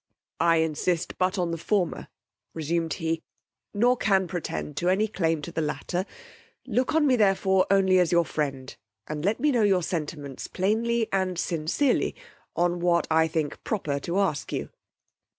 I insist but on the former, resumed he; nor can pretend to any claim to the latter; look on me therefore only as your friend, and let me know your sentiments plainly and sincerely on what I think proper to ask you.